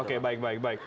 oke baik baik baik